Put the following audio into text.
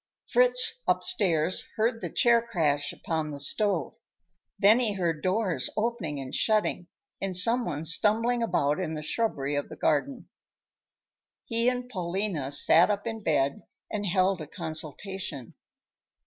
Fritz, upstairs, heard the chair crash upon the stove. Then he heard doors opening and shutting, and some one stumbling about in the shrubbery of the garden. He and Paulina sat up in bed and held a consultation.